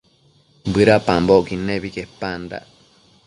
bëdapambocquid nebi quepandac